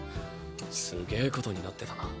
すげえ事になってたな。